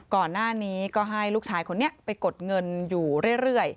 ก่อนหน้านี้ก็ให้ลูกชายคนนี้ไปกดเงินอยู่เรื่อย